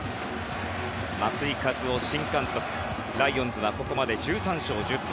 松井稼頭央新監督ライオンズはここまで１３勝１０敗。